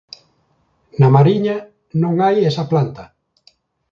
Na mariña non hai esa planta.